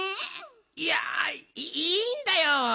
いやいいんだよ。